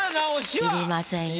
要りませんよ。